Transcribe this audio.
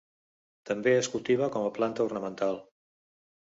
També es cultiva com a planta ornamental.